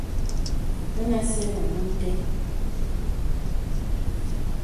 Bənə acə nə olùn té.